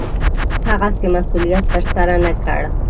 هغسې مسوولت ترسره نه کړ.